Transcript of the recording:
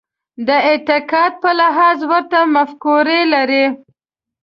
د اعتقاد په لحاظ ورته مفکورې لري.